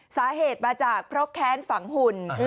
สาเหตุมาจากเพราะแค้นฝังหุ่น